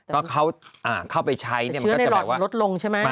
เชื้อในหลอดมันลดลงใช่ไหม